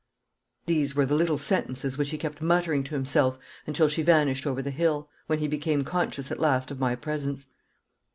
These were the little sentences which he kept muttering to himself until she vanished over the hill, when he became conscious at last of my presence.